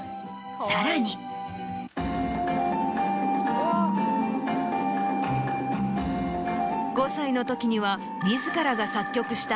さらに。５ 歳の時には自らが作曲した。